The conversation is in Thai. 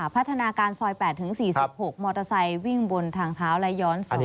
พัฒนาการซอย๘๔๖มอเตอร์ไซค์วิ่งบนทางเท้าและย้อนสอน